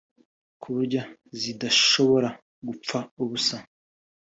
ku buryo zidashobora gupfa ubusa